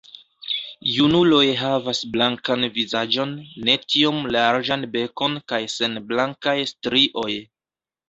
Junuloj havas blankan vizaĝon, ne tiom larĝan bekon kaj sen blankaj strioj.